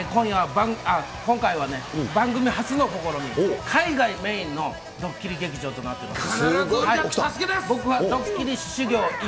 今回は番組初の試み、海外メインのドッキリ劇場となっています。